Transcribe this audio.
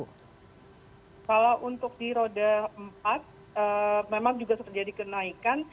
kalau untuk di roda empat memang juga terjadi kenaikan